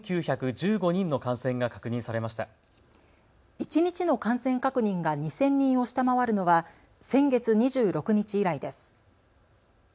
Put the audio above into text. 一日の感染確認が２０００人を下回るのは先月２６日以来です。